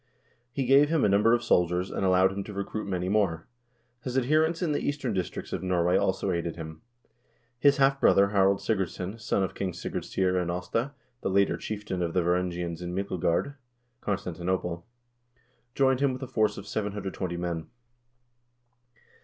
He gave him a num ber of soldiers, and allowed him to recruit many more.1 His adher ents in the eastern districts of Norway also aided him. His half brother Harald Sigurdsson, son of King Sigurd Syr and Aasta, the later chieftain of the Varangians in Myklegard (Constantinople), joined him with a force of 720 men.